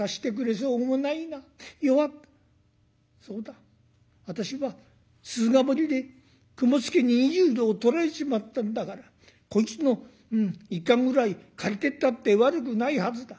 そうだ私は鈴ヶ森で雲助に２０両を取られちまったんだからこいつの１貫ぐらい借りてったって悪くないはずだ。